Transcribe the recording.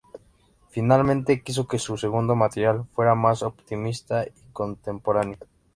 Finalmente quiso que su segundo material fuera más optimista y contemporáneo.